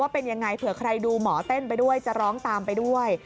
เป็นยังไงเผื่อใครดูหมอเต้นไปด้วยจะร้องตามไปด้วย